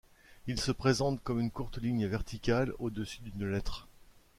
Il se présente comme une courte ligne verticale au-dessus d’une lettre.